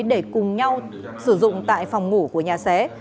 để cùng nhau sử dụng tại phòng ngủ của nhà xé